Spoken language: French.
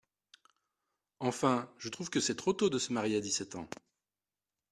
Enfin je trouve que c’est trop tôt de se marier à dix-sept ans.